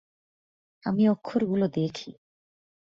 আমি অক্ষরগুলো দেখি।